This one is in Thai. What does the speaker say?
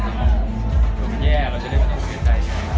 แต่ว่าไม่แย่เราจะเล่นกับคนในใจ